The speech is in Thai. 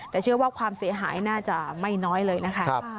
แต่เชื่อว่าความเสียหายน่าจะไม่น้อยเลยนะคะ